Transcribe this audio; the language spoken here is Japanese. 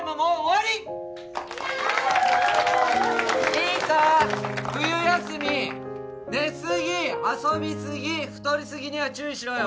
いいか冬休み寝すぎ遊びすぎ太りすぎには注意しろよ